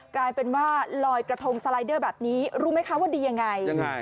กลายเป็นว่าลอยกระทงสไลเดอร์แบบนี้รู้ไหมคะว่าดียังไง